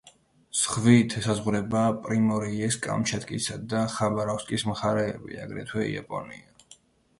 ზღვით ესაზღვრება პრიმორიეს, კამჩატკისა და ხაბაროვსკის მხარეები, აგრეთვე იაპონია.